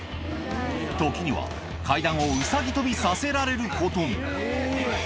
時には、階段をうさぎ跳びさせられることも。